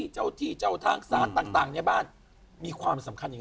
ช่องหน้า